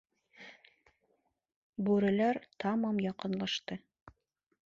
Бүреләр тамам яҡынлашты.